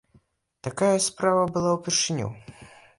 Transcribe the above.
Такая справа была ўпершыню.